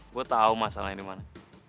gue tahu masalahnya di mana